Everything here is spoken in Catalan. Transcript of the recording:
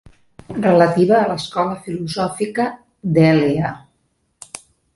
Relativa a l'escola filosòfica d'Èlea.